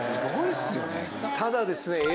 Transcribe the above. ただですね